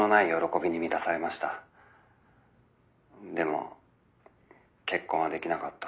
でも結婚はできなかった。